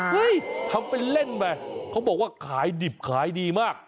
ทำเป็นเล่นไปเขาบอกว่าขายดิบขายดีมาก